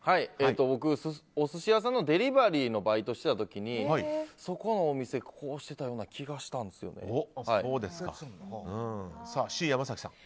僕、お寿司屋さんのデリバリーのバイトしてた時にそこのお店ではこうしていたような気がＣ、山崎さん。